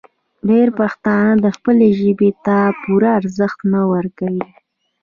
ډېری پښتانه خپلې ژبې ته پوره ارزښت نه ورکوي.